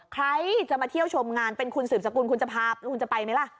ใครจะมาเที่ยวชมงานเป็นคุณสื่อมสกุลคุณจะไปไหมล่ะ